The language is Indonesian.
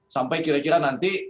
sampai kira kira nanti